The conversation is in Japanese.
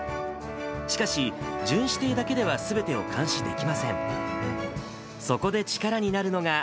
しかし、巡視艇だけではすべてを監視できません。